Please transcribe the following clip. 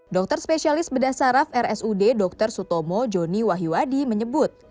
dokter spesialis bedah saraf rsud dr sutomo joni wahiwadi menyebut